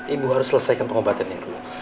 ibu harus selesaikan pengobatan ini dulu